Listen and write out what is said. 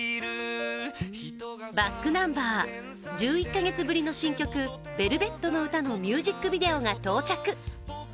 ｂａｃｋｎｕｍｂｅｒ、１１カ月ぶりの新曲「ベルベットの詩」のミュージックビデオが到着。